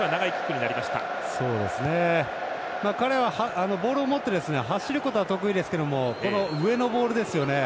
彼はボールを持って走ることは得意ですけども上のボールですよね。